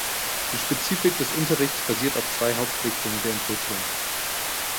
Die Spezifik des Unterrichts basiert auf zwei Hauptrichtungen der Entwicklung.